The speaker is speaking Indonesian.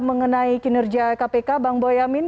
mengenai kinerja kpk bang boyamin